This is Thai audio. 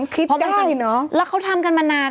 คิดอยู่เนอะแล้วเขาทำกันมานาน